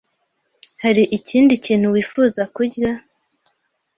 Hari ikindi kintu wifuza kurya?